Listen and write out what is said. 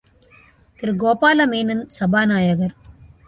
திரு கோபால மேனன் சபாநாயகர்.